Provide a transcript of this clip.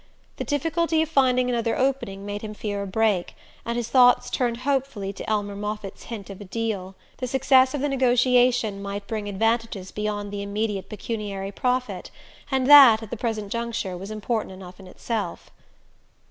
The difficulty of finding another opening made him fear a break; and his thoughts turned hopefully to Elmer Moffatt's hint of a "deal." The success of the negotiation might bring advantages beyond the immediate pecuniary profit; and that, at the present juncture, was important enough in itself.